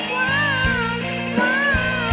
วววววาา